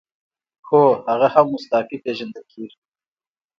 هو هغه هم مستعفي پیژندل کیږي.